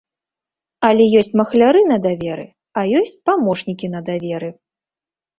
Але ёсць махляры на даверы, а ёсць памочнікі на даверы.